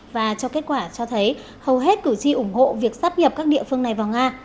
và cho kết quả cho thấy hầu hết cử tri ủng hộ việc sắp nhập các địa phương này vào nga